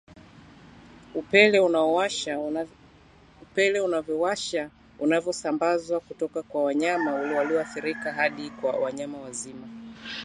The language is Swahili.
upele unaowasha unavyosambazwa kutoka kwa wanyama walioathiriwa hadi kwa wanyama wazima